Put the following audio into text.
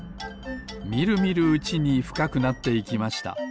みるみるうちにふかくなっていきました。